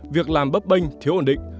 việc làm bấp bênh thiếu ổn định